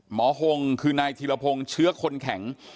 หงคือนายธีรพงศ์เชื้อคนแข็ง